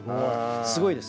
すごいです。